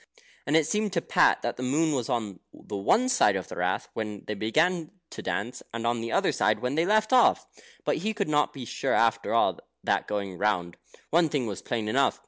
And it seemed to Pat that the moon was on the one side of the Rath when they began to dance, and on the other side when they left off; but he could not be sure after all that going round. One thing was plain enough.